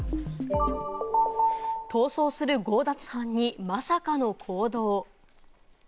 逃走する強奪犯にまさかの行動！